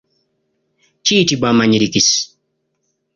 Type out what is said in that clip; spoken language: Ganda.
Kiyitibwa amanyirikisi.